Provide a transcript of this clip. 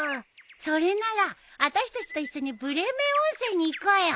それならあたしたちと一緒にブレーメン温泉に行こうよ！